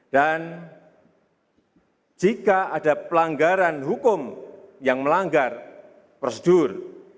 dan jika ada pelanggaran hukum yang melanggar prosedur